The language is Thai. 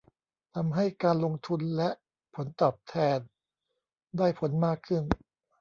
ทำให้การลงทุนและผลตอบแทนได้ผลมากขึ้น